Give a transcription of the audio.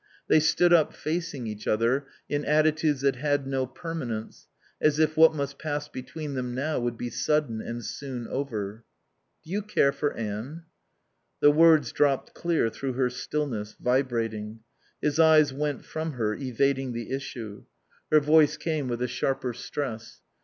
They stood up, facing each other, in attitudes that had no permanence, as if what must pass between them now would be sudden and soon over. "Do you care for Anne?" The words dropped clear through her stillness, vibrating. His eyes went from her, evading the issue. Her voice came with a sharper stress.